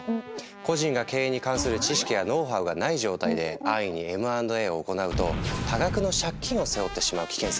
個人が経営に関する知識やノウハウがない状態で安易にＭ＆Ａを行うと多額の借金を背負ってしまう危険性もある。